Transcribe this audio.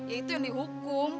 ya itu yang dihukum